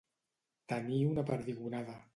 Tenir una perdigonada.